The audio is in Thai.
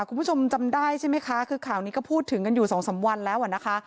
คุณผู้ชมจำได้ใช่ไหมคะคือข่าวนี้ก็พูดถึงกันอยู่สองสามวันแล้วอ่ะนะคะ